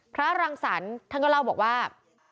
รังสรรค์ท่านก็เล่าบอกว่า